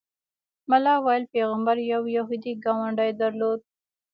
ملا ویل پیغمبر یو یهودي ګاونډی درلود.